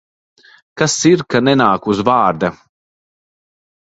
Kas ir, ka nenāk uz vārda?